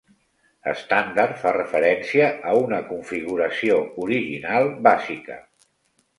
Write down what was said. Estàndard fa referència a una configuració original bàsica.